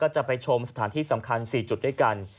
จะไปชมสถานที่สำคัญ๔จุดด้วยกัน